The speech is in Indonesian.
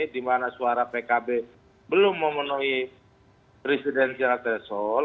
dimana suara pkb belum memenuhi presiden cira tesol